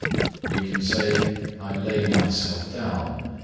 We can say "I lay myself down."